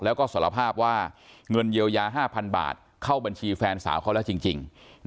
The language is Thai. แล้วก็สารภาพว่าเงินเยียวยา๕๐๐บาทเข้าบัญชีแฟนสาวเขาแล้วจริง